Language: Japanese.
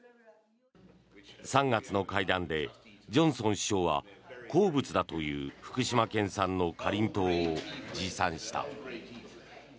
３月の会談でジョンソン首相は好物だという福島県産のかりんとうを持参した。